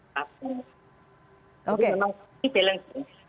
jadi memang ini balance nya